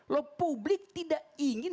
log publik tidak ingin